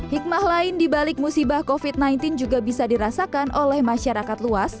hikmah lain dibalik musibah covid sembilan belas juga bisa dirasakan oleh masyarakat luas